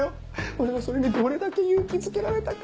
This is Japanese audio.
俺はそれにどれだけ勇気づけられたか。